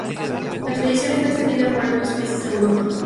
La tradición está extendida por algunos países de Europa.